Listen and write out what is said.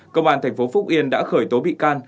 công an tp phúc yên đã khởi tố bị can